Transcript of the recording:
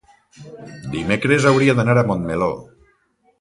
dimecres hauria d'anar a Montmeló.